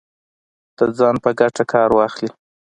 د ځان په ګټه کار واخلي